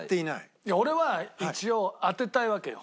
いや俺は一応当てたいわけよ